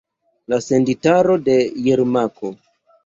La senditaro de Jermako.